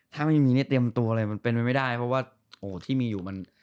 ถ้าไม่มีนี่เตรียมตัวเลยมันเป็นไปไม่ได้เพราะว่าโอ้ที่มีอยู่มัน